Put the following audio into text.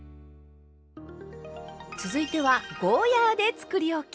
続いてはゴーヤーでつくりおき。